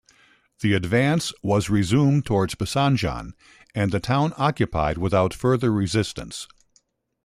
The advance was resumed toward Pagsanjan and the town occupied without further resistance.